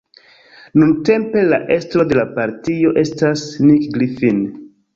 Nuntempe la estro de la partio estas Nick Griffin.